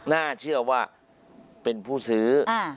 น่าเชื่อว่าเป็นผู้ซื้อ